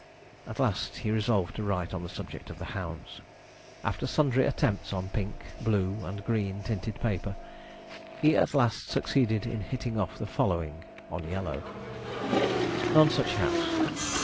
At last he resolved to write on the subject of the hounds. After sundry attempts on pink, blue, and green tinted paper, he at last succeeded in hitting off the following, on yellow: 'NONSUCH HOUSE.